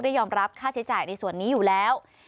ยอมรับค่าใช้จ่ายในส่วนนี้อยู่แล้ว